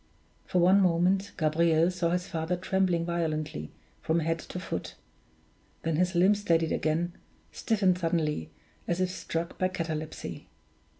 For one moment, Gabriel saw his father trembling violently from head to foot then his limbs steadied again stiffened suddenly, as if struck by catalepsy.